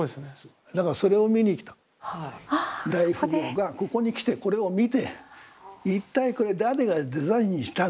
大富豪がここに来てこれを見て「一体これ誰がデザインしたんだ？」